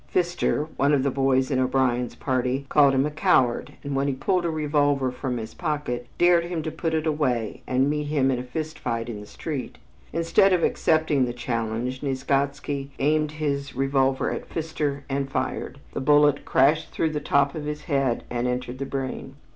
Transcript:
Pfister, one of the boys in O'Brien's party, called him a coward, and when he pulled a revolver from his pocket, dared him to put it away and meet him in a fist fight in the street. Instead of accepting the challenge, Nieczgodzki aimed his revolver at Pfister and fired. The bullet crashed through the top of his head and entered the brain.